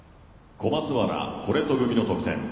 小松原、コレト組の得点。